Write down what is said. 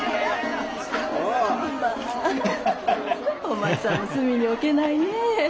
お前さんも隅に置けないねえ。